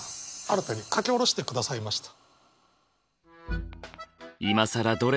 新たに書き下ろしてくださいました。